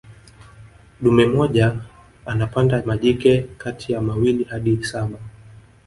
dume mmoja anapanda majike kati ya mawili hadi saba